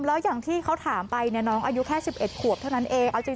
แล้วอย่างที่เขาถามไปเนี่ยน้องอายุแค่๑๑ขวบเท่านั้นเอง